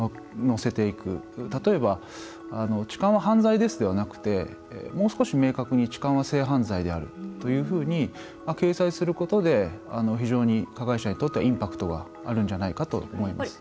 例えば「痴漢は犯罪です」ではなくてもう少し明確に「痴漢は性犯罪である」というふうに掲載することで非常に加害者にとってはインパクトがあるんじゃないかと思います。